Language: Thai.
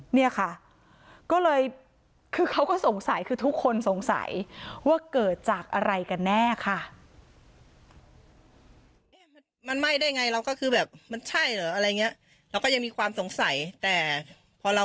เนี่ยค่ะก็เลยคือเขาก็สงสัยคือทุกคนสงสัยว่าเกิดจากอะไรกันแน่ค่ะ